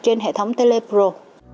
trên hệ thống telepro